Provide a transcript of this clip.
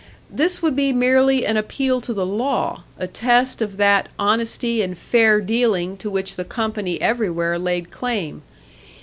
This would be merely an appeal to the law, a test of that honesty and fair dealing to which the company everywhere laid claim.